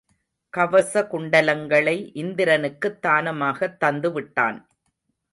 கவசகுண்டலங்களை இந்திரனுக்குத் தானமாகத் தந்து விட்டான்.